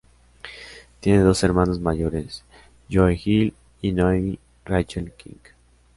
Tiene dos hermanos mayores, Joe Hill y Naomi Rachel King.